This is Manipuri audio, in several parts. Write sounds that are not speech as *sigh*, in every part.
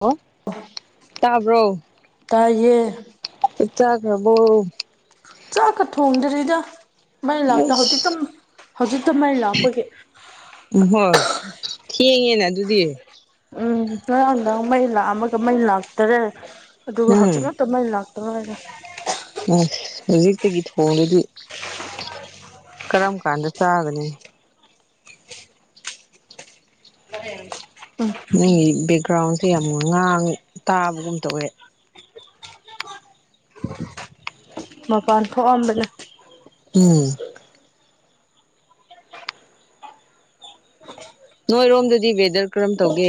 ꯍꯜꯂꯣ ꯇꯥꯕ꯭ꯔꯣ ꯇꯥꯏꯌꯦ ꯆꯥꯛ ꯆꯥꯈ꯭ꯔꯕꯣ ꯆꯥꯛꯀ ꯊꯣꯡꯗ꯭ꯔꯤꯗ ꯃꯩ ꯂꯥꯛꯇ ꯍꯧꯖꯤꯛꯇ ꯑꯩꯁ ꯍꯧꯖꯤꯛꯇ ꯃꯩ ꯂꯥꯛꯄꯒꯤ ꯎꯝ ꯍꯣ ꯊꯦꯡꯉꯦꯅ ꯑꯗꯨꯗꯤ ꯎꯝ ꯉꯔꯥꯡꯗꯥꯡ ꯃꯩ ꯂꯥꯛꯑꯃꯒ ꯃꯩ ꯂꯥꯛꯇꯔꯦ ꯑꯗꯨꯒ ꯎꯝ ꯍꯧꯖꯤꯛ ꯇ ꯃꯩ ꯂꯥꯛꯇꯉꯥꯏꯔꯤ ꯑꯁ ꯍꯧꯖꯤꯛꯇꯒꯤ ꯊꯣꯡꯉꯗꯤ ꯀꯔꯝ ꯀꯥꯟꯗ ꯆꯥꯒꯅꯤ *unintelligible* ꯅꯪꯒꯤ ꯕꯦꯛꯒ꯭ꯔꯥꯎꯟꯁꯦ ꯌꯥꯝ ꯉꯥꯡ ꯇꯥꯕꯒꯨꯝ ꯇ ꯑꯣꯏꯑꯦ ꯃꯥ ꯄꯥꯟꯊꯣ ꯑꯝꯝꯕꯅ ꯎꯝ ꯅꯣꯏꯔꯣꯝꯗꯗꯤ ꯋꯦꯗꯔ ꯀꯔꯝ ꯇꯧꯒꯦ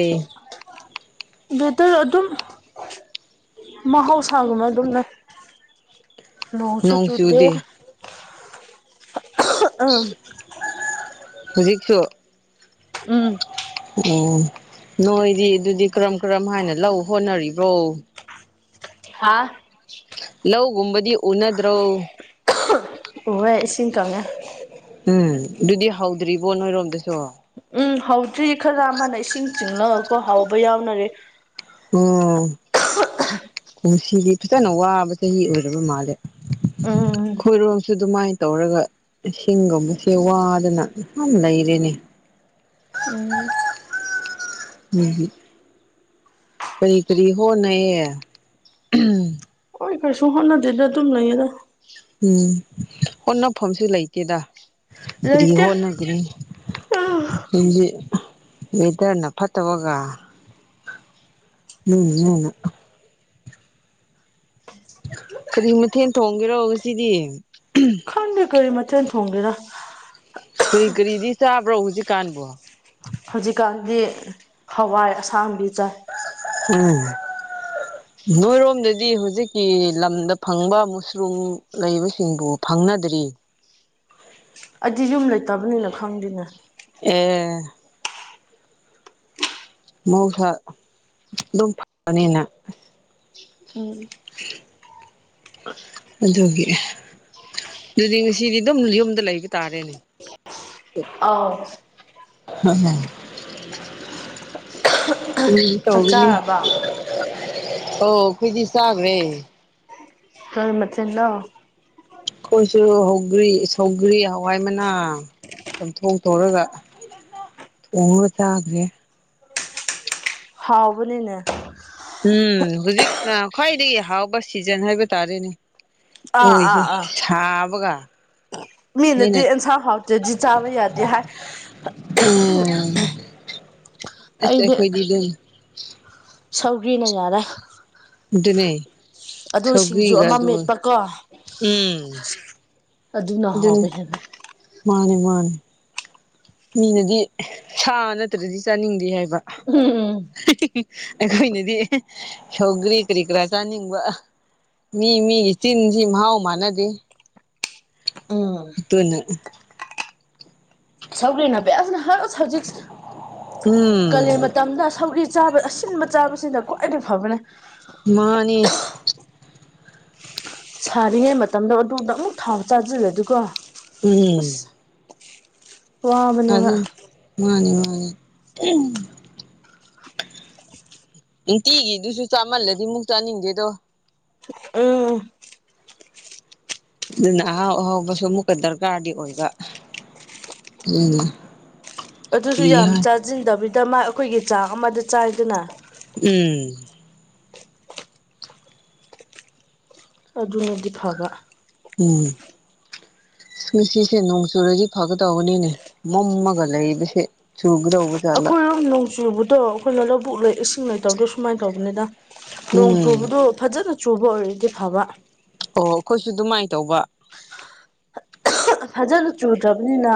ꯕꯦꯇꯔ ꯑꯗꯨꯝ ꯃꯍꯧꯁꯥꯒꯨꯝꯕ ꯑꯗꯨꯝ ꯂꯩ ꯅꯧ ꯁꯣ ꯅꯣꯡ ꯆꯨꯗꯦ ꯆꯣꯗ ꯑꯝ ꯍꯧꯖꯤꯛꯁꯨ ꯎꯝ ꯑꯣ ꯅꯣꯏꯗꯤ ꯑꯗꯨꯗꯤ ꯀꯔꯝ ꯀꯔꯝ ꯍꯥꯏꯅ ꯂꯧ ꯍꯣꯠꯅꯔꯤꯕ꯭ꯔꯣ ꯍꯥꯥ ꯂꯧꯒꯨꯝꯕꯗꯤ ꯎꯅꯗ꯭ꯔꯣ ꯎꯍꯦ ꯏꯁꯤꯡ ꯀꯪꯉꯦ ꯎꯝ ꯑꯗꯨꯗꯤ ꯍꯧꯗ꯭ꯔꯤꯕꯣ ꯅꯣꯏꯔꯣꯝꯗꯁꯨ ꯎꯝ ꯍ ꯍꯧꯗ꯭ꯔꯤ ꯈꯔ ꯑꯃꯅ ꯏꯁꯤꯡ ꯆꯤꯉꯒꯀꯣ ꯍꯥꯎꯕ ꯌꯥꯎꯅꯔꯦ ꯎꯝ *inaudible* ꯅꯨꯡꯁꯤꯗꯤ ꯐꯖꯅ ꯋꯥꯕ ꯆꯍꯤ ꯑꯣꯏꯔꯕ ꯃꯥꯜꯂꯦ ꯎꯝ ꯈꯣꯏꯔꯣꯡꯁꯨ ꯑꯗꯨꯃꯥꯏꯅ ꯇꯧꯔꯒ ꯏꯁꯤꯡꯒꯨꯝꯕꯁꯦ ꯋꯥꯗꯅ ꯂꯩꯔꯦꯅꯦ ꯎꯝ ꯎꯝ ꯀꯔꯤ ꯀꯔꯤ ꯍꯅ ꯍꯣꯏ ꯀꯩꯁꯨ ꯍꯣꯠꯅꯗꯦꯗ ꯑꯗꯨꯝ ꯂꯩꯌꯦꯗ ꯎꯝ ꯍꯣꯠꯅꯐꯝꯁꯨ ꯂꯩꯇꯦꯗ ꯍꯥꯏꯗꯤ ꯂꯩꯇꯦ ꯍꯣꯠꯅ ꯑꯗꯨꯗꯤ ꯋꯦꯗꯔꯅ ꯐꯠꯇꯕꯒ ꯎꯝ ꯎꯝ ꯀꯔꯤ ꯃꯊꯦꯜ ꯊꯣꯡꯒꯦꯔꯣ ꯉ ꯁꯤꯗꯤ ꯣꯡꯦ ꯀꯔꯤ ꯃꯊꯆꯥꯅ ꯊꯣꯡꯒꯦꯗ ꯀꯔꯤ ꯀꯔꯤꯗꯤ ꯆꯥꯕ꯭ꯔꯣ ꯍꯧꯖꯤꯛꯀꯥꯟꯕꯣ ꯍꯧꯖꯤꯛꯀꯥꯟꯗꯤ ꯍꯋꯥꯏ ꯑꯁꯥꯡꯕꯤ ꯆꯥꯏ ꯎꯝ ꯅꯣꯏꯔꯣꯝꯗꯗꯤ ꯍꯧꯖꯤꯛꯀꯤ ꯂꯝꯗ ꯐꯪꯕ ꯃꯨꯁꯔꯨꯝ ꯂꯩꯕꯁꯤꯡꯕꯨ ꯐꯪꯅꯗ꯭ꯔꯤ ꯑꯩꯗꯤ ꯌꯨꯝ ꯂꯩꯇꯕꯅꯤꯅ ꯈꯪꯗꯦꯅꯦ ꯑꯦ ꯃꯧꯁꯥ ꯑꯗꯨꯝ ꯐꯕꯅꯤꯅ ꯎꯝ ꯑꯗꯨꯒꯤ ꯑꯗꯨꯗꯤ ꯉꯁꯤꯗꯤ ꯑꯗꯨꯝ ꯌꯨꯝꯗ ꯂꯩꯕ ꯇꯥꯔꯦꯅꯦ ꯑꯥꯎ ꯍ ꯎ ꯆꯥꯛ ꯇꯧꯒꯅꯤ ꯆꯥꯔꯕ ꯑꯣꯈꯣꯏꯗꯤ ꯆꯥꯕꯦ ꯀ ꯃꯆ ꯂꯣ ꯑꯩꯈꯣꯏꯁꯨꯒꯔꯤ ꯁꯧꯒ꯭ꯔꯤ ꯍꯋꯥꯏ ꯃꯅꯥ ꯆꯝꯊꯣꯛꯊꯔꯒ ꯍ ꯇꯒꯦ ꯍꯥꯎꯕꯅꯤꯅꯦ ꯎꯝ ꯍꯧꯖꯤꯛ ꯈ꯭ꯋꯥꯏꯗꯒꯤ ꯍꯥꯎꯕ ꯁꯤꯖꯟ ꯍꯥꯏꯕ ꯇꯥꯔꯦꯅꯦ ꯑꯥ ꯑꯣꯏ ꯑꯥ ꯑꯥ ꯁꯥꯥꯕꯒ ꯃꯤꯅꯗꯤ ꯑꯦꯟꯁꯥꯡ ꯍꯥꯎꯇꯦꯗꯤ ꯆꯥꯕ ꯌꯥꯗꯦ ꯍꯥꯏ ꯑꯩꯗꯤ ꯑꯁꯈꯣꯏꯗꯤꯗ ꯁꯧꯒ꯭ꯔꯤꯅ ꯌꯥꯔꯦ ꯑꯗꯨꯅꯦꯩ ꯑꯗꯨ ꯁꯤꯡꯖꯨ ꯑꯃ ꯃꯦꯠꯄꯀꯣ ꯎꯝ ꯑꯗꯨꯖꯤꯅ ꯑꯗꯨꯅꯤ ꯍꯥꯕ ꯍꯥꯏꯦꯅ ꯃꯥꯅꯦ ꯃꯥꯅꯦ ꯃꯤꯅꯗꯤ ꯁꯥ ꯅꯠꯇ꯭ꯔꯗꯤ ꯆꯥꯅꯤꯡꯗꯦ ꯍꯥꯏꯕ ꯎꯝ ꯎꯝ ꯑꯩꯈꯣꯏꯅꯗꯤ ꯁꯧꯒꯔꯤ ꯀꯔꯤ ꯀꯔꯥ ꯆꯥꯅꯤꯡꯕ ꯃꯤ ꯃꯤꯒꯤ ꯆꯤꯟꯁꯤ ꯃꯍꯥꯎ ꯃꯥꯥꯟꯅꯗꯤꯦ ꯎꯝ ꯎꯠꯇꯅ ꯁ ꯂꯩꯅ ꯄꯅ ꯍꯔ ꯁꯕꯖꯦꯛ ꯀ ꯎꯝ ꯃꯇꯝꯗ ꯁꯧꯒꯤ ꯆꯥꯕ ꯑꯁꯤꯟꯕ ꯆꯥꯕꯁꯤꯅ ꯈ꯭ꯋꯥꯏꯗꯒꯤꯩ ꯐꯕꯅꯦ ꯃꯥꯅꯤ ꯁꯥꯔꯤꯉꯩ ꯃꯇꯝꯗꯣ ꯑꯗꯨꯗ ꯑꯃꯨꯛ ꯊꯥꯎ ꯆꯥꯖꯂꯦ ꯑꯗꯨꯒꯀꯣ ꯎꯝ ꯑ ꯋꯥꯕꯅꯦꯕ ꯃꯥꯅꯤ ꯃꯥꯅꯤ ꯅꯨꯡꯇꯤꯒꯤꯗꯨꯁꯨ ꯆꯥꯃꯜꯂꯗꯤ ꯃꯨꯛ ꯆꯥꯅꯤꯡꯗꯦꯗꯣ ꯎꯝ ꯑꯗꯨꯅ ꯑꯍꯥꯎ ꯑꯍꯥꯎꯕꯁꯨ ꯑꯃꯨꯛꯀ ꯗꯔꯀꯥꯔꯗꯤ ꯑꯣꯏꯕ ꯎꯝ ꯑꯗꯨꯁꯨ ꯌꯥꯝ ꯆꯥꯁꯤꯟꯗꯕꯤꯗ ꯃꯥ ꯑꯩꯈꯣꯏꯒꯤ ꯆꯥꯛ ꯑꯃꯗ ꯆꯥꯏꯗꯅ ꯎꯝ ꯑꯗꯨꯅꯗꯤ ꯐꯕ ꯎꯝ ꯉꯁꯤꯁꯦ ꯅꯣꯡ ꯆꯨꯔꯗꯤ ꯐꯒ ꯇꯧꯕꯅꯤꯅꯦ ꯃꯝꯃꯒ ꯂꯩꯕꯁꯦ ꯆꯨꯒꯗ ꯑꯩꯈꯣꯏꯅ ꯅꯣꯡ ꯆꯨꯕꯗꯣ ꯑꯩꯈꯣꯏꯅ ꯂꯧꯕꯨꯛ ꯂꯩ ꯏꯁꯤꯡ ꯂꯩꯇꯕꯗꯣ ꯁꯨꯃꯥꯏꯅ ꯇꯧꯕꯅꯤꯅ ꯅꯣꯡ ꯎꯝ ꯆꯨꯕꯗꯣ ꯐꯖꯅ ꯆꯨꯕ ꯑꯣꯏꯔꯗꯤ ꯐꯕ ꯑꯣ ꯑꯩꯈꯣꯏꯁꯨ ꯑꯗꯨꯃꯥꯏꯅ ꯇꯧꯕ ꯐꯖꯅ ꯆꯨꯗ꯭ꯔꯕꯅꯤꯅ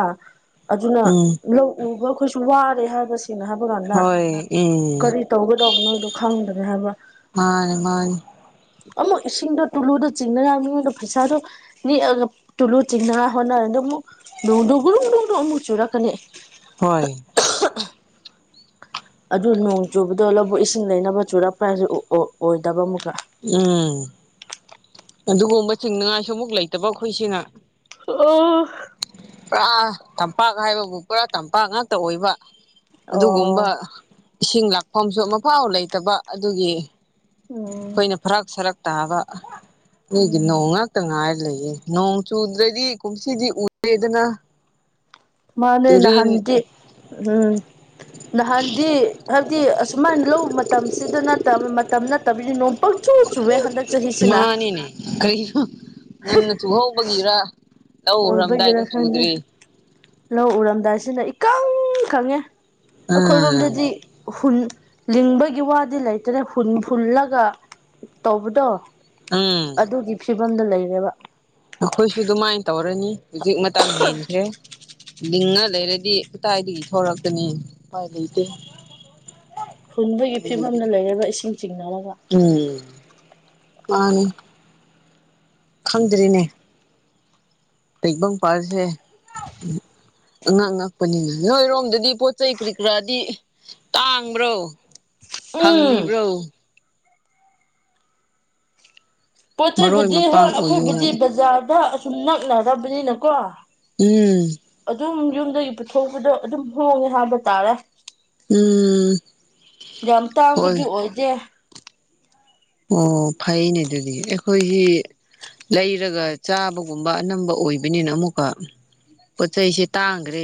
ꯑꯗꯨꯅ ꯎꯝ ꯎꯕ ꯑꯩꯈꯣꯏꯁꯨ ꯋꯥꯔꯦ ꯍꯥꯏꯕꯁꯤꯅ ꯍꯥꯏꯕ ꯇ ꯀꯥꯟꯗ ꯍꯣꯏ ꯎꯝ ꯀꯔꯤ ꯇꯧꯒꯗꯧꯕꯅꯣꯗꯣ ꯈꯪꯗꯅꯤ ꯍꯥꯏꯕ ꯃꯥꯅꯦ ꯃꯥꯅꯦ ꯑꯃꯨꯛ ꯏꯁꯤꯡꯗꯣ ꯇꯨꯂꯨꯗ ꯆꯤꯡꯅꯔ ꯃꯤꯉꯣꯟꯗ ꯄꯩꯁꯥꯗꯣ ꯅꯦꯛꯑꯒ ꯇꯨꯂꯨ ꯆꯤꯡꯅꯔꯥ ꯍꯣꯠꯅꯔꯗꯃꯨꯛ ꯅꯣꯡꯗꯨ ꯒꯨꯔꯨꯡ ꯒꯨꯗꯨꯡ ꯒꯨꯗꯨꯡ ꯑꯃꯨꯛ ꯆꯨꯔꯛꯀꯅꯤ ꯍꯣꯏ *unintelligible* ꯑꯗꯨ ꯅꯣꯡ ꯆꯨꯕꯗꯣ ꯂꯧꯕꯨꯛ ꯏꯁꯤꯡ ꯂꯩꯅꯕ ꯆꯨꯔꯛꯄꯔꯑꯖꯨ ꯑꯣ ꯑꯣ ꯑꯣꯏꯗꯕ ꯑꯃꯨꯛꯀ ꯎꯝ ꯑꯗꯨꯒꯨꯝꯕ ꯆꯤꯡꯅꯉꯥꯏꯁꯨ ꯑꯃꯨꯛ ꯂꯩꯇꯕ ꯑꯈꯣꯏꯁꯤꯅ ꯑꯣ ꯄꯨꯔꯥ ꯇꯝꯄꯥꯛ ꯍꯥꯏꯕꯕꯨ ꯄꯨꯔꯥ ꯇꯝꯄꯥꯛ ꯉꯥꯛꯇ ꯑꯣꯏꯕ ꯑꯣ ꯑꯗꯨꯒꯨꯝꯕ ꯏꯁꯤꯡ ꯂꯥꯛꯐꯝꯁꯨ ꯃꯐꯥꯎ ꯂꯩꯇꯕ ꯑꯗꯨꯒꯤ ꯎꯝ ꯑꯩꯈꯣꯏꯅ ꯐꯔꯥꯛ ꯁꯔꯛ ꯇꯥꯕ ꯅꯣꯏꯒꯤ ꯎꯝ ꯅꯣꯡ ꯉꯥꯛꯇ ꯉꯥꯏꯔ ꯂꯩꯌꯦꯦ ꯅꯣꯡ ꯆꯨꯗ꯭ꯔꯗꯤ ꯀꯨꯝꯁꯤꯗꯤ ꯎꯔꯦꯗꯅ ꯃꯥꯅꯦꯅ ꯍꯥꯟꯗꯤ ꯎꯝ ꯅꯍꯥꯟꯗꯤ ꯍꯥꯏꯕꯗꯤ ꯑꯁꯨꯃꯥꯏꯅ ꯂꯧ ꯃꯇꯝꯁꯤꯗ ꯅꯠꯇꯕ ꯃꯇꯝ ꯅꯠꯇꯕꯤꯔꯤꯅꯣ ꯃꯥꯅꯤꯅꯦ ꯀꯔꯤꯅꯣ ꯉꯟꯅ ꯆꯨꯍꯧꯕꯒꯤꯔ ꯂꯧ ꯎꯔꯝꯗꯥꯏꯗ ꯑꯣꯏꯕꯒꯤꯔ ꯈꯪꯗꯦ ꯆꯨꯗ꯭ꯔꯤ ꯂꯧ ꯎꯔꯝꯗꯥꯏꯁꯤꯅ ꯏꯀꯪ ꯀꯪꯉꯦ ꯑꯥ ꯑꯈꯣꯏꯔꯣꯝꯗꯗꯤ ꯍꯨꯟ ꯂꯤꯡꯕꯒꯤ ꯋꯥꯗꯤ ꯂꯩꯇꯥꯔꯦ ꯍꯨꯟ ꯐꯨꯜꯂꯒ ꯇꯧꯕꯗꯣ ꯎꯝ ꯑꯗꯨꯒꯤ ꯐꯤꯕꯝꯗ ꯂꯩꯔꯦꯕ ꯑꯈꯣꯏꯁꯨ ꯑꯗꯨꯃꯥꯏꯟ ꯇꯧꯔꯅꯤ ꯍꯧꯖꯤꯛ ꯃꯇꯝ ꯍꯦꯟꯈ꯭ꯔꯦ ꯂꯤꯡꯉ ꯂꯩꯔꯗꯤ ꯀꯇꯥꯏꯗꯒꯤ ꯊꯣꯛꯔꯛꯀꯅꯤ ꯎꯄꯥꯏ ꯂꯩꯇꯦ ꯍꯨꯟꯕꯒꯤ ꯐꯤꯕꯝꯗ ꯂꯩꯔꯒ ꯏꯁꯤꯡ ꯆꯤꯡꯅꯔꯒ ꯎꯝ ꯃꯥꯅꯤ ꯈꯪꯗ꯭ꯔꯤꯅꯦ ꯇꯥꯏꯕꯪ ꯄꯥꯜꯁꯦ ꯎꯝ ꯉꯛ ꯉꯛꯄꯅꯤꯅꯦ ꯅꯣꯏꯔꯣꯝꯗꯗꯤ ꯄꯣꯠ ꯆꯩ ꯀ꯭ꯔꯤ ꯀ꯭ꯔꯥꯗꯤ ꯇꯥꯡꯕ꯭ꯔꯣ ꯎꯝ ꯐꯪꯗ꯭ꯔꯤꯕ꯭ꯔꯣ ꯄꯣꯠ ꯃꯔꯣꯏ ꯆꯩꯩꯕꯨꯗꯤ ꯍꯣꯏ ꯃꯄꯥꯡ ꯑꯣꯏꯌꯣ ꯑꯈꯣꯏꯕꯨꯗꯤ ꯕꯖꯥꯔꯗ ꯑꯁꯨꯝ ꯅꯛꯅꯔꯕꯅꯤꯅꯀꯣ ꯎꯝ ꯑꯗꯨꯝ ꯌꯨꯝꯗꯒꯤ ꯄꯨꯊꯣꯛꯄꯗꯣ ꯑꯗꯨꯝ ꯍꯣꯡꯉꯦ ꯍꯥꯏꯕ ꯇꯥꯔꯦ ꯎꯝ ꯌꯥꯝ ꯍꯣꯏ ꯇꯥꯡꯕꯗꯤ ꯑꯣꯏꯗꯦ ꯑꯣ ꯐꯩꯅꯦ ꯑꯗꯨꯗꯤ ꯑꯩꯈꯣꯏꯁꯤ ꯂꯩꯔꯒ ꯆꯥꯕꯒꯨꯝꯕ ꯑꯅꯝꯕ ꯑꯣꯏꯕꯅꯤꯅ ꯑꯃꯨꯛꯀ ꯄꯣꯠꯆꯩꯩꯁꯦ ꯇꯥꯡꯒ꯭ꯔꯦ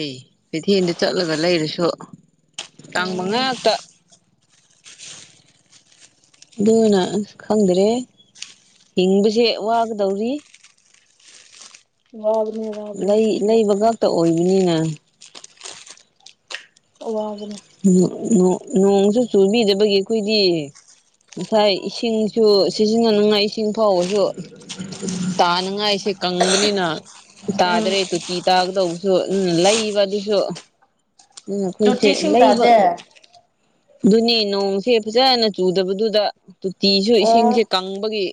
ꯀꯩꯊꯦꯜꯗ ꯆꯠꯂꯒ ꯂꯩꯔꯁꯨ ꯇꯥꯡꯕ ꯎꯝ ꯉꯥꯛꯇ ꯑꯗꯨꯅ ꯑꯁ ꯈꯪꯗ꯭ꯔꯦ ꯍꯤꯡꯕꯁꯦ ꯋꯥꯒꯗꯧꯔꯤ ꯋꯥꯥꯕꯅꯦ ꯋꯥꯕꯅꯦ ꯊꯟꯗ ꯋꯥꯏ ꯑꯣꯏꯒꯅꯤꯅ ꯑꯋꯥꯕꯅꯦ ꯅꯣꯡ ꯅꯣꯡ ꯅꯣꯡꯖꯨ ꯆꯨꯕꯤꯗꯕꯒꯤ ꯑꯩꯈꯣꯏꯗꯤ ꯉꯁꯥꯏ ꯏꯁꯤꯡꯁꯨ ꯁꯤꯖꯤꯟꯅꯅꯉꯥꯏ ꯏꯁꯤꯡ ꯐꯥꯎꯕꯁꯨ ꯇꯥꯅꯉꯥꯏꯁꯦ ꯀꯪꯕꯅꯤꯅ ꯎꯝ ꯇꯥꯗꯥꯔꯦ ꯇꯨꯇꯤ ꯇꯥꯒꯗꯧꯕꯁꯨ ꯑꯗꯨꯅ ꯂꯩꯕ ꯑꯗꯨꯁꯨ ꯑꯗꯨꯅ ꯑꯈꯣꯏꯁꯦ ꯇꯣꯇꯤꯁꯤꯡ ꯂꯩꯕ ꯇꯥꯗꯦ ꯑꯗꯨꯅꯦ ꯅꯣꯡꯁꯦ ꯐꯖꯅ ꯆꯨꯗꯕꯗꯨꯗ ꯇꯣꯇꯤꯁꯨ ꯏꯁꯤꯡꯁꯦ ꯑꯣ ꯀꯪꯕꯒꯤ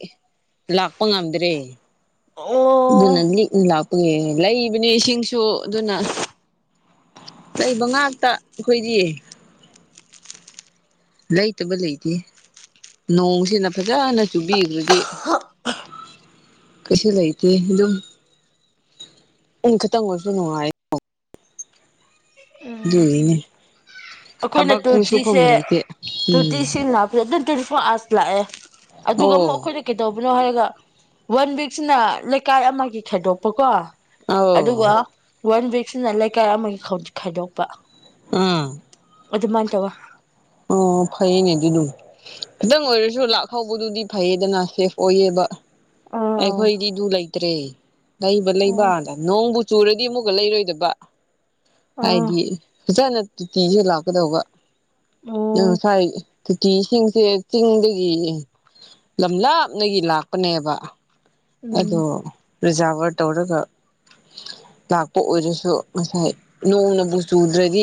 ꯂꯥꯛꯄ ꯉꯝꯗ꯭ꯔꯦ ꯑꯣ ꯑꯗꯨꯅ ꯅꯤꯛꯅ ꯂꯥꯛꯄꯒꯤ ꯂꯩꯕꯅꯦ ꯏꯁꯤꯡꯁꯨ ꯑꯗꯨꯅ ꯂꯩꯕ ꯉꯥꯛꯇ ꯑꯈꯣꯏꯗꯤ ꯂꯩꯗꯕ ꯂꯩꯇꯦ ꯅꯣꯡꯁꯤꯅ ꯐꯖꯟꯅ ꯆꯨꯕꯤꯗ꯭ꯔꯗꯤ ꯀꯩꯁꯨ ꯂꯩꯇꯦ ꯗꯨꯝ ꯎꯨꯡ ꯈꯤꯇꯪ ꯑꯣꯏꯁꯨ ꯅꯨꯡꯉꯥꯏꯌꯦ ꯗꯨꯒꯤꯅꯦ ꯑꯈꯣꯏꯅ ꯇꯨꯔꯇꯤꯁꯦ ꯂꯩꯇꯦ ꯎꯝ ꯇꯨꯔꯇꯤꯁꯤꯡ ꯂꯥꯛ- *unintelligible* ꯇ꯭ꯋꯦꯟꯇꯤ ꯐꯣꯔ ꯑꯥꯔꯁ ꯂꯥꯛꯑꯦ ꯑꯗꯨꯒ ꯑꯣ ꯑꯃꯨꯛ ꯑꯈꯣꯏꯗꯤ ꯀꯩꯗꯧꯕꯅꯣ ꯍꯥꯏꯔꯒ ꯋꯥꯟ ꯋꯤꯛꯁꯤꯅ ꯂꯩꯀꯥꯏ ꯑꯃꯒꯤ ꯈꯥꯏꯗꯣꯛꯄꯀꯣ ꯑꯧ ꯑꯗꯨꯒ ꯋꯥꯟ ꯋꯤꯛꯁꯤꯅ ꯂꯩꯀꯥꯏ ꯑꯃꯒꯤ ꯈꯥꯎ ꯈꯥꯏꯗꯣꯛꯄ ꯑ ꯑꯗꯨꯃꯥꯥꯏꯟ ꯇꯧꯔꯣ ꯑꯣ ꯐꯩꯌꯦꯅꯦ ꯑꯗꯨꯗꯨꯝ ꯈꯤꯇꯪ ꯑꯣꯏꯔꯁꯨ ꯂꯥꯛꯍꯧꯕꯗꯨꯗꯤ ꯐꯩꯌꯦꯗꯅ ꯁꯦꯐ ꯑꯣꯏꯌꯦꯕ ꯑꯥ ꯑꯩꯈꯣꯏꯗꯤꯗꯨ ꯂꯩꯇ꯭ꯔꯦ ꯂꯩꯕ ꯑꯥ ꯑꯣ ꯂꯩꯕꯗ ꯅꯣꯡꯕꯨ ꯆꯨꯔꯗꯤ ꯑꯃꯨꯛꯀ ꯂꯩꯔꯣꯏꯗꯕ ꯑꯥ ꯍꯥꯏꯗꯤ ꯐꯖꯅ ꯇꯨꯇꯤꯁꯦ ꯂꯥꯛꯀꯗꯧꯕ ꯅꯪ ꯑꯣ ꯉꯁꯥꯏ ꯇꯨꯇꯤ ꯏꯁꯤꯡꯁꯦ ꯆꯤꯡꯗꯒꯤ ꯂꯝ ꯂꯥꯞꯅꯒꯤ ꯂꯥꯛꯄꯅꯦꯕ ꯎꯝ ꯑꯗꯣ ꯔꯤꯖꯥꯔꯚꯔ ꯇꯧꯔꯒ ꯂꯥꯛꯄ ꯑꯣꯏꯔꯁꯨ ꯉꯁꯥꯏ ꯅꯣꯡꯅꯕꯨ ꯆꯨꯗ꯭ꯔꯗꯤ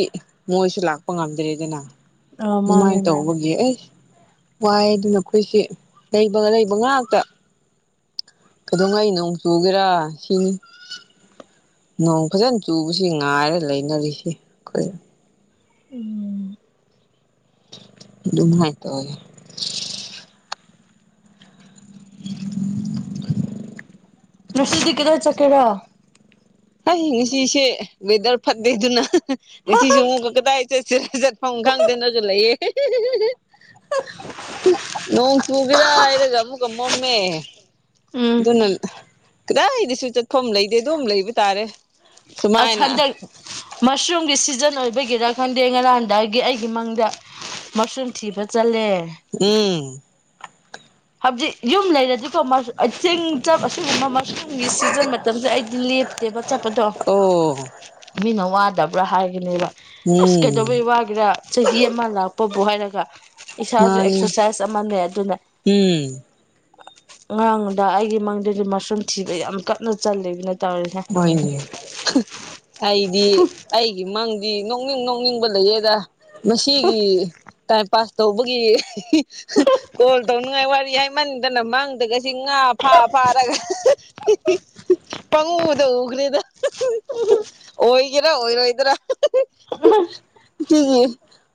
ꯃꯣꯏꯁꯨ ꯂꯥꯛꯄ ꯉꯝꯗ꯭ꯔꯦꯗꯅ ꯑꯥ ꯗꯨꯃꯥꯏ ꯃꯥꯅꯦ ꯃꯥꯅꯦ ꯇꯧꯕꯒꯤ ꯑꯦ ꯋꯥꯏꯌꯦ ꯑꯗꯨꯅ ꯑꯈꯣꯏꯁꯦ ꯂꯩꯕꯒ ꯂꯩꯕ ꯉꯥꯛꯇ ꯀꯩꯗꯣꯉꯩ ꯅꯣꯡ ꯆꯨꯒꯦꯔꯥ ꯍꯤꯡ- ꯅꯣꯡ ꯐꯖꯟ ꯆꯨꯕꯁꯤ ꯉꯥꯏꯔ ꯂꯩꯅꯔꯤꯍꯦ ꯈꯣꯏ ꯎꯝ ꯗꯨꯃꯥꯏ ꯇꯧꯌꯦ ꯉꯁꯤꯗꯤ ꯀꯗꯥꯏ ꯆꯠꯀꯦꯔꯥ ꯍꯩ ꯉꯁꯤꯁꯦ ꯋꯦꯗꯔ ꯐꯠꯇꯦꯗꯨꯅ ꯍꯥ - ꯍꯥ ꯉꯁꯤꯁꯨ ꯑꯃꯨꯛꯀ ꯀꯗꯥꯏ ꯆꯦ ꯆꯦ ꯆꯠ ꯐꯣꯡ ꯒꯥꯡꯗꯅꯒ ꯂꯩꯌꯦ ꯍꯤ- ꯍꯤ - ꯍꯤ - ꯍꯤ - ꯍꯤ ꯅꯣꯡ ꯆꯨꯒꯦꯔ ꯍꯥꯏꯔꯒ ꯑꯃꯨꯛꯀ ꯃꯝꯃꯦ ꯎꯝ ꯗꯨꯅ ꯑꯥ ꯀꯗꯥꯏꯗꯁꯨ ꯆꯠꯐꯝ ꯂꯩꯇꯦ ꯑꯗꯨꯝ ꯂꯩꯕ ꯇꯥꯔꯦ ꯑꯁ ꯁꯨꯃꯥꯏꯅ ꯍꯟꯗꯛ ꯃꯁꯔꯨꯝꯒꯤ ꯁꯤꯖꯟ ꯑꯣꯏꯕꯒꯤꯔ ꯈꯪꯗꯦ ꯉꯔꯥꯡꯗꯒꯤ ꯑꯩꯒꯤ ꯃꯪꯗ- ꯃꯁꯔꯨꯝ ꯊꯤꯕ ꯆꯜꯂꯦ ꯎꯝ ꯍꯧꯖꯤꯛ ꯌꯨꯝ ꯂꯩꯔꯗꯤꯀꯣ ꯃꯁ- ꯑ ꯆꯤꯡ ꯆꯞ ꯑꯁꯤꯒꯨꯝꯕ ꯃꯁꯔꯨꯝꯒꯤ ꯁꯤꯖꯟ ꯃꯇꯝꯁꯦ ꯑꯩꯗꯤ ꯂꯦꯞꯇꯦꯕ ꯆꯠꯄꯗꯣ ꯑꯣ ꯃꯤꯅ ꯋꯥꯗꯕ꯭ꯔꯥ ꯍꯥꯏꯒꯅꯦꯕ ꯑꯁ ꯎꯝ ꯀꯩꯗꯧꯕꯩ ꯋꯥ- ꯒꯤꯔ ꯆꯍꯤ ꯑꯃ ꯂꯥꯛꯄꯕꯨ ꯍꯥꯏꯔꯒ ꯏꯁꯥꯖꯨ ꯃꯥꯅꯤ ꯑꯦꯛꯁꯔꯁꯥꯏꯁ ꯑꯃꯅꯦ ꯑꯗꯨꯅ ꯎꯝ ꯉꯔꯥꯡ ꯅꯨꯡꯗꯥꯡ ꯑꯩꯒꯤ ꯃꯪꯗꯖꯨ ꯃꯁꯔꯨꯝ ꯊꯤꯕ ꯌꯥꯝ ꯀꯟꯅ ꯆꯜꯂꯤꯕꯅꯦ ꯇꯧꯔꯤꯁꯦ ꯍꯣꯏꯅꯦ ꯍꯥ ꯑꯩꯗꯤ ꯑꯩꯒꯤ ꯃꯪꯗꯤ ꯅꯣꯛꯅꯤꯡ ꯅꯣꯛꯅꯤꯡꯕ ꯂꯩꯌꯦꯗ ꯃꯁꯤꯒꯤ ꯇꯥꯏꯝ ꯄꯥꯁ ꯇꯧꯕꯒꯤ ꯏ -ꯍꯤ -ꯍꯥ ꯀꯣꯜ ꯇꯧꯅꯤꯉꯥꯏ ꯋꯥꯔꯤ ꯍꯥꯏꯃꯟꯗꯅ ꯃꯥꯡꯗꯒꯁꯤ ꯉꯥ ꯐꯥ ꯐꯥꯔꯒ ꯑꯥ -ꯍꯥꯍꯥ ꯍꯤꯍꯤ -ꯍꯨꯝ ꯄꯪꯎꯗ ꯎꯒ꯭ꯔꯦꯗ ꯍꯥ -ꯍꯥ ꯑꯣꯏꯒꯦꯔꯥ ꯑꯣꯏꯔꯣꯏꯗꯔꯥ *unintelligible* ꯍꯥ ꯁꯤꯒꯤ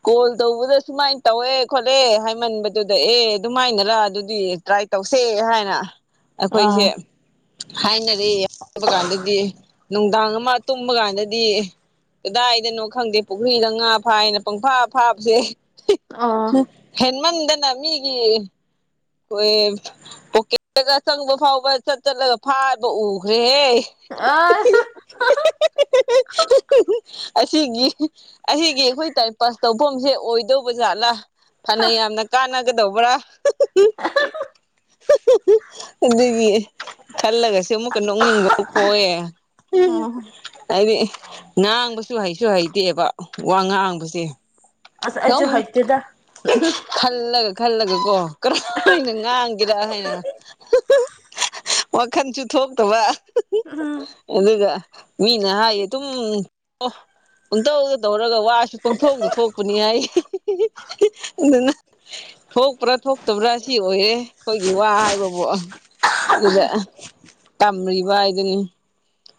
ꯀꯣꯜ ꯇꯧꯕꯗ ꯁꯨꯃꯥꯏꯟ ꯇꯧꯑꯦ ꯈꯣꯠꯂꯦ ꯍꯥꯏꯃꯟꯕꯗꯨꯗ ꯑꯦ ꯑꯗꯨꯃꯥꯏꯅꯔ ꯑꯗꯨꯗꯤ ꯇ꯭ꯔꯥꯏ- ꯇꯧꯁꯦ ꯍꯥꯏꯅ ꯑꯩꯈꯣꯏꯁꯦ ꯑꯥ ꯍꯥꯏꯅꯔꯦ ꯆꯕ ꯀꯥꯟꯗꯗꯤ ꯅꯨꯡꯗꯥꯡ ꯑꯃ ꯇꯨꯝꯕ ꯀꯥꯟꯗꯗꯤ ꯀꯗꯥꯏꯗꯅꯣ ꯈꯪꯗꯦ ꯄꯨꯈ꯭ꯔꯤꯗ ꯉꯥ ꯐꯥꯏꯅ ꯄꯪꯐꯥ ꯐꯥꯕꯁꯦ ꯑꯣ ꯍꯟꯃꯗꯅ ꯃꯤꯒꯤ ꯑꯩꯈꯣꯏ ꯄꯣꯛꯀꯦꯠꯇꯒ ꯆꯪꯕ ꯐꯥꯎꯕ ꯆꯠ ꯆꯠꯂꯒ ꯐꯥꯕ ꯎꯈ꯭ꯔꯦꯍꯦ ꯑꯥꯁ *unintelligible* ꯑꯁꯤꯒꯤ ꯑꯁꯤꯒꯤ ꯑꯩꯈꯣꯏ ꯇꯥꯏꯝ ꯄꯥꯁ ꯇꯧꯐꯝꯁꯦ ꯑꯣꯏꯗꯧꯕ ꯖꯥꯠꯂ ꯐꯅ ꯌꯥꯝꯅ ꯀꯥꯟꯅꯒꯗꯧꯕ꯭ꯔꯥ ꯑꯗꯨꯒꯤ ꯈꯜꯂꯒꯁꯨ ꯑꯃꯨꯛꯀ ꯅꯣꯛꯅꯤꯡꯕꯕꯨ ꯀꯣꯛꯑꯦ ꯎꯝ ꯍꯥꯏꯗꯤ ꯉꯥꯡꯕꯁꯨ ꯍꯩꯁꯨ ꯍꯩꯇꯦꯕ ꯋꯥ ꯉꯥꯡꯕꯁꯦ ꯑꯁ ꯑꯩꯖꯨ ꯍꯩꯇꯦꯗ ꯎꯝ - ꯎꯍꯝ ꯑꯥꯜꯂꯒ ꯈꯜꯂꯒ ꯀꯣ *unintelligible* ꯀꯔꯥꯝꯍꯥꯏꯅ ꯉꯥꯡꯒꯦꯔꯥ ꯍꯥꯏꯅ ꯍꯥ -ꯍꯥ *unintelligible* ꯋꯥꯈꯟꯁꯨ ꯊꯣꯛꯇꯕ ꯑꯥ -ꯍꯥ -ꯍꯥ ꯑꯗꯨꯒ ꯃꯤꯅ ꯍꯥꯏꯌꯦ ꯗꯨꯝ ꯑꯣ ꯄꯨꯝꯇꯧꯗ ꯇꯧꯔꯒ ꯋꯥꯁꯨ ꯄꯪꯊꯣꯛꯇ ꯊꯣꯛꯄꯅꯤ ꯑꯩ ꯍꯤ - ꯍꯤꯍꯤꯍꯤ -ꯍꯤ ꯑꯗꯨꯅ ꯊꯣꯛꯄ꯭ꯔꯥ ꯊꯣꯛꯇꯕ꯭ꯔꯥ ꯁꯤ ꯑꯣꯏꯔꯦ ꯑꯈꯣꯏꯒꯤ ꯋꯥ ꯍꯥꯏꯕꯕꯨ ꯑꯥ ꯗꯨꯒ ꯑꯥ ꯇꯝꯔꯤꯚ ꯍꯥꯏꯗꯨꯅꯤ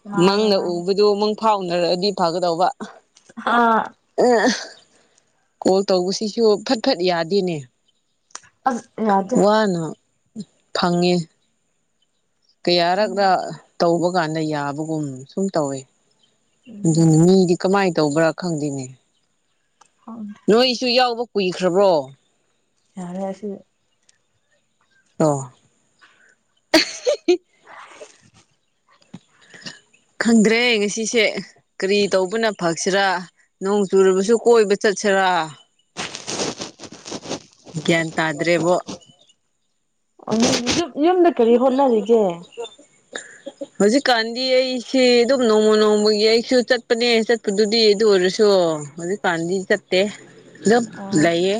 ꯃꯥꯅꯦ ꯃꯪꯗ ꯃꯥꯅꯦ ꯎꯕꯗꯨ ꯃꯪ ꯐꯥꯎꯅꯔꯛꯑꯗꯤ ꯐꯒꯗꯧꯕ ꯍꯑꯥ *unintelligible* ꯀꯣꯜ ꯇꯧꯕꯁꯤꯁꯨ ꯐꯠ ꯐꯠ ꯌꯥꯗꯦꯅꯦ ꯑꯁ ꯌꯥꯗꯦ ꯋꯥꯅ ꯐꯪꯉꯤ ꯀꯌꯥꯔꯛꯅ ꯎꯝ ꯇꯧꯕ ꯀꯥꯟꯗ ꯌꯥꯕꯒꯨꯝ ꯁꯨꯝ ꯇꯧꯋꯦ ꯑꯗꯨꯅꯤ ꯃꯤꯗꯤ ꯀꯃꯥꯏꯅ ꯇꯧꯕ꯭ꯔꯥ ꯈꯪꯗꯦꯅꯦ ꯎꯝ ꯅꯣꯏꯁꯨ ꯌꯥꯎꯕ ꯀꯨꯏꯈ꯭ꯔꯕ꯭ꯔꯣ *unintelligible* ꯑꯣ *unintelligible* ꯈꯪꯗ꯭ꯔꯦ ꯉꯁꯤꯁꯦ ꯀꯔꯤ ꯇꯧꯕꯅ ꯐꯛꯁꯤꯔꯥ ꯅꯣꯡ ꯆꯨꯔꯕꯁꯨ ꯀꯣꯏꯕ ꯆꯠꯁꯤꯔꯥ ꯒ꯭ꯌꯥꯟ ꯇꯥꯗ꯭ꯔꯦꯕꯣ ꯌ ꯌꯨꯝꯗ ꯀꯔꯤ ꯍꯣꯠꯅꯔꯤꯒꯦ *inaudible* ꯍꯧꯖꯤꯛꯀꯥꯟꯗꯤ ꯑꯩꯁꯤꯦ ꯑꯗꯨꯝ ꯅꯣꯡꯃ ꯅꯣꯡꯃꯒꯤ ꯑꯩꯁꯨ ꯆꯠꯄꯅꯦ ꯆꯠꯄꯗꯨꯗꯤ ꯑꯗꯨ ꯑꯣꯏꯔꯁꯨ ꯍꯧꯖꯤꯛꯀꯥꯟ ꯗꯤ ꯆꯠꯇꯦ ꯑꯗꯨꯝ ꯂꯩꯥꯌꯦ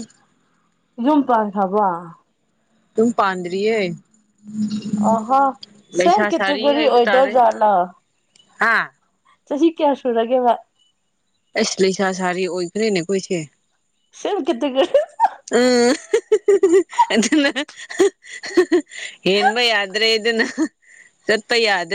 ꯌꯨꯝ ꯄꯥꯟꯈ꯭ꯔꯕ ꯌꯨꯝ ꯄꯥꯟꯗ꯭ꯔꯤꯌꯦ ꯑꯍꯣ ꯁꯦꯝ ꯂꯩꯁꯥ ꯁꯥꯔꯤ ꯀꯦꯇꯦꯒꯔꯤ ꯍꯥꯏꯕ ꯇꯥꯔꯦ ꯑꯣꯏꯗꯣꯏꯖꯥꯠꯂꯣ ꯍꯥ ꯆꯍꯤ ꯀꯌꯥ ꯁꯨꯔꯒꯦꯕ ꯑꯩꯁ ꯂꯩꯁꯥ ꯁꯥꯔꯤ ꯑꯣꯏꯈ꯭ꯔꯦꯅꯦ ꯑꯩꯈꯣꯏꯁꯦ ꯁꯦꯝ ꯀꯤꯇꯦꯒꯣ ꯑꯝ ꯑꯗꯨꯅ ꯍꯦꯟꯕ ꯌꯥ꯭ꯔꯦ ꯏꯅ ꯆꯠꯄ ꯌꯥꯗ꯭ꯔꯦ